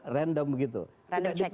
random begitu itu